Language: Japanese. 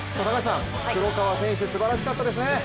黒川選手、すばらしかったですね。